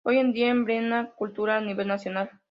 Hoy en día emblema Cultural a nivel Nacional.